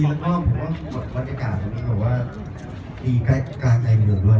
สวยดีและก็ก็วันอากาศที่เนี่ยต่อว่าดีการใจกันเลยด้วย